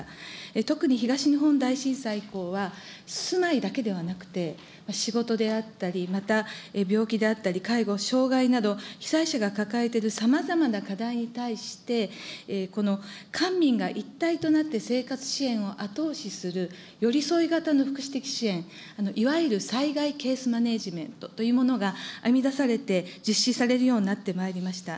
特に東日本大震災以降は、住まいだけではなくて、仕事であったり、また病気であったり介護、障害など、被災者が抱えているさまざまな課題に対して、この官民が一体となって生活支援を後押しする、寄り添い型の福祉的支援、いわゆる災害ケースマネジメントというものが編み出されて、実施されるようになってまいりました。